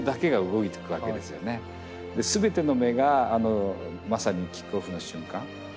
全ての目がまさにキックオフの瞬間